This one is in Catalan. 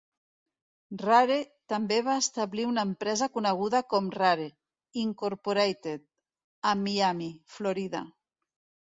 Rare també va establir una empresa coneguda com Rare, Incorporated a Miami, Florida.